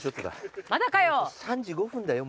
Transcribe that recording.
３時５分だよ